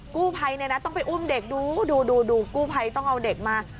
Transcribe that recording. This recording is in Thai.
กู้ภัยเนี่ยนะต้องไปอุ้มเด็กดูดูกู้ภัยต้องเอาเด็กมา